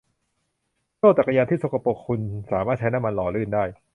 โซ่จักรยานที่สกปรกของคุณสามารถใช้น้ำมันหล่อลื่นได้